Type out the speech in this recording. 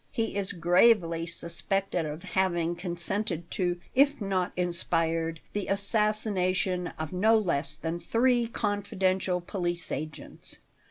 He is gravely suspected of having consented to, if not inspired, the assassination of no less than three confidential police agents.